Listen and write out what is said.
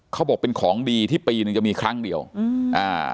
เขาบอกเป็นของดีที่ปีหนึ่งจะมีครั้งเดียวอืมอ่า